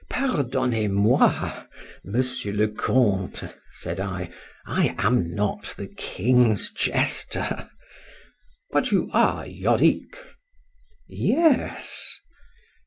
—Pardonnez moi, Monsieur le Count, said I—I am not the king's jester.—But you are Yorick?—Yes.